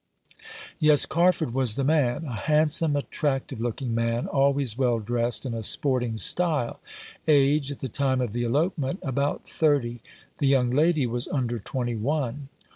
Yes, Carford was the man ; a handsome, attrac tive looking man, always well dressed in a sporting style ; age, at the time of the elopement, about thirty. The young lady was under twenty one.